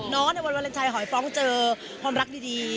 ในวันวาเลนไทยหอยฟ้องเจอความรักดี